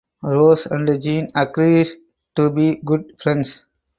Rose and Jean agree to be good friends.